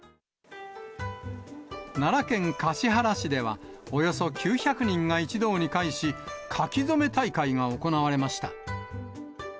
奈良県橿原市では、およそ９００人が一堂に会し、書き初め大会が行われました。